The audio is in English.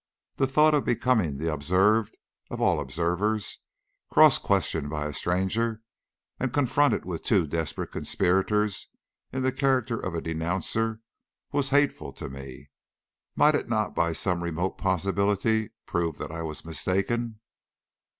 The thought of becoming the observed of all observers, cross questioned by a stranger, and confronted with two desperate conspirators in the character of a denouncer, was hateful to me. Might it not by some remote possibility prove that I was mistaken?